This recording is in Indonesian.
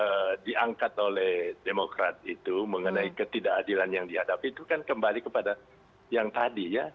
yang diangkat oleh demokrat itu mengenai ketidakadilan yang dihadapi itu kan kembali kepada yang tadi ya